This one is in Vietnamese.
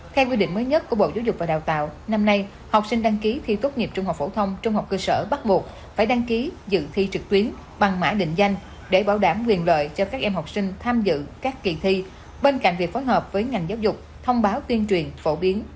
theo quy định mới nhất của bộ giáo dục và đào tạo năm nay học sinh đăng ký thi tốt nghiệp trung học phổ thông trung học cơ sở bắt buộc phải đăng ký dự thi trực tuyến bằng mã định danh để bảo đảm quyền lợi cho các em học sinh tham dự các kỳ thi bên cạnh việc phối hợp với ngành giáo dục thông báo tuyên truyền phổ biến